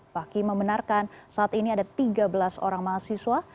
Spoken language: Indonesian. fakih membenarkan saat ini ada tiga belas orang mahasiswa